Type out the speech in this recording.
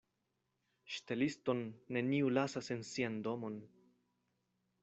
Ŝteliston neniu lasas en sian domon.